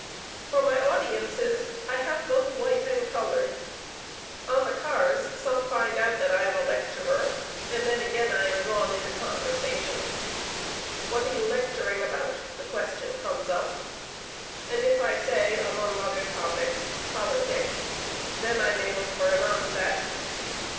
For my audiences I have both white and colored. On the cars, some find out that I am a lecturer, and then, again, I am drawn into conversation. 'What are you lecturing about?' the question comes up, and if I say, among other topics politics, then I may look for an onset.